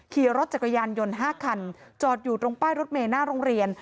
ขี่รถจักรยานยนต์๕คันจอดอยู่ตรงป้ายรถเมย์หน้าโรงเรียน